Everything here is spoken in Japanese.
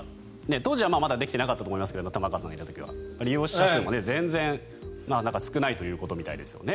当時はまだできていなかったと思いますが利用者数も全然少ないということみたいですね。